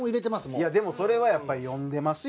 いやでもそれはやっぱり読んでますよ。